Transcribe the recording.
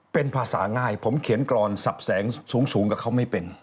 เป็นภาษาง่ายผมเขียนกรอนสับแสงสูงกับเขาไม่เป็น